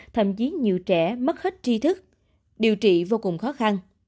thậm chí nhiều trẻ mất hết tri thức điều trị vô cùng khó khăn